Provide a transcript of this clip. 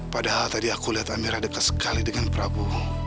padahal tadi aku lihat amirah dekat sekali dengan prabu